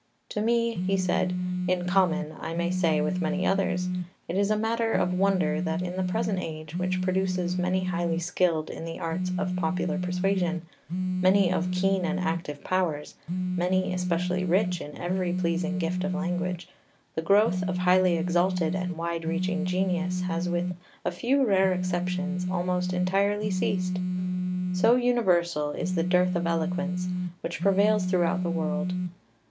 "To me," he said, "in common, I may say, with many others, it is a matter of wonder that in the present age, which produces many highly skilled in the arts Of popular persuasion, many of keen and active powers, many especially rich in every pleasing gift of language, the growth of highly exalted and wide reaching genius has with a few rare exceptions almost entirely ceased. So universal is the dearth of eloquence which prevails throughout the world.